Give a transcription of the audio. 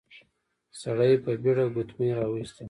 سړی په بېړه ګوتمی راويستلې.